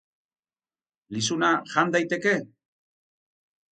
Lizuna, jan daiteke?